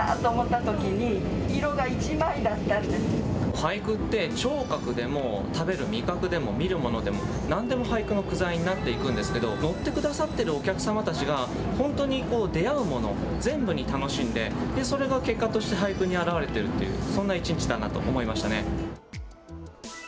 俳句って聴覚でも、食べる味覚でも、見るものでも、なんでも俳句の句材になっていくんですけど、乗ってくださってるお客様たちが本当に出会うもの、全部に楽しんで、それが結果として俳句にあらわれてるというそんな一日だったと思いましたね。